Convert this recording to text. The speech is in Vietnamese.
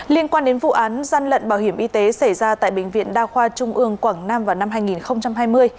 liên quan đến vụ án gian lận bảo hiểm y tế xảy ra tại bệnh viện đa khoa trung ương quảng nam vào năm hai nghìn hai mươi